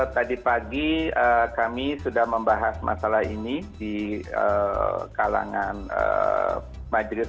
tadi pagi kami sudah membahas masalah ini di kalangan majelis